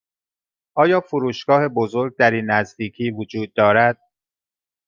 آیا فروشگاه بزرگ در این نزدیکی وجود دارد؟